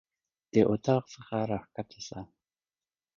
د اطاق څخه راکښته سه.